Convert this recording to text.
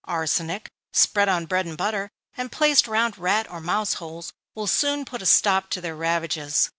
Arsenic, spread on bread and butter, and placed round rat or mouse holes, will soon put a stop to their ravages.